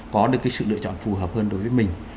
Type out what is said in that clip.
có được cái sự lựa chọn phù hợp hơn đối với mình